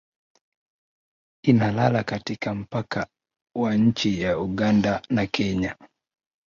ina lala katika mpaka wa nchi ya uganda na kenya